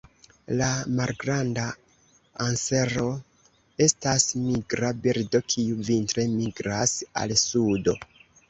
La Malgranda ansero estas migra birdo, kiu vintre migras al sudo.